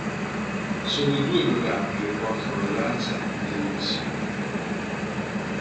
Sono i due programmi che portano la danza in televisione.